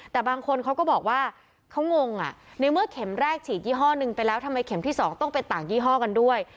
แต่บางคนเขาก็บอกว่าเขางงอ่ะในเมื่อเข็มแรกฉีดยี่ห้อหนึ่งไปแล้วทำไมเข็มที่๒ต้องเป็นต่างยี่ห้อกันด้วย